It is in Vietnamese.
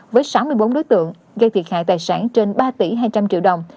với sáu mươi bốn đối tượng gây thiệt hại tài sản trên ba tỷ hai trăm linh triệu đồng